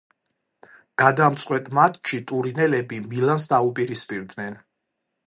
გადამწყვეტ მატჩში ტურინელები „მილანს“ დაუპირისპირდნენ.